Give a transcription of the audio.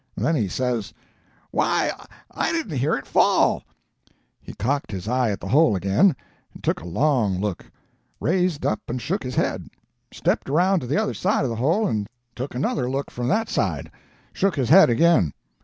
Then he says, 'Why, I didn't hear it fall!' He cocked his eye at the hole again, and took a long look; raised up and shook his head; stepped around to the other side of the hole and took another look from that side; shook his head again.